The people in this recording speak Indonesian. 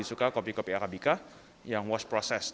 suka kopi kopi arabica yang wash process